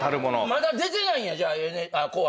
まだ出てないんや『紅白』は。